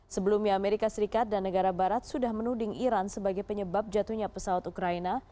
sebelumnya amerika serikat dan negara barat sudah menuding iran sebagai penyebab jatuhnya pesawat ukraina